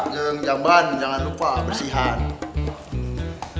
jangan ngejam ban jangan lupa bersihan